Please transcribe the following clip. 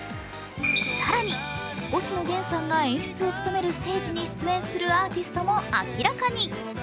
更に星野源さんが演出を務めるステージに出演するアーティストも明らかに。